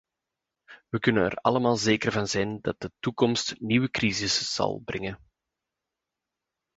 We kunnen er allemaal zeker van zijn dat de toekomst nieuwe crises zal brengen.